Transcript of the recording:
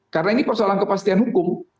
karena ini persoalan kepastian hukum